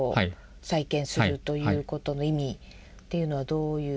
再建するということの意味というのはどういう？